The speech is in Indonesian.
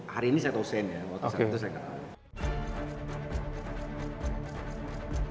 hari ini saya tahu shane ya waktu saat itu saya tidak tahu